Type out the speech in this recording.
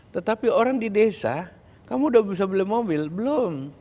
tetapi orang di desa kamu udah berusaha beli mobil belum